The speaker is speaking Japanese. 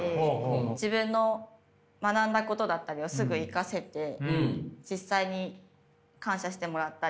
自分の学んだことだったりをすぐ生かせて実際に感謝してもらったり。